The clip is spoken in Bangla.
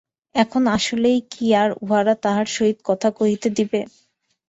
এখন আসিলেই কি আর উহারা তাহার সহিত কথা কহিতে দিবে?